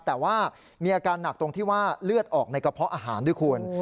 แต่ว่ามีอาการหนักตรงที่ว่าเลือดออกในกระเพาะอาหารด้วยคุณ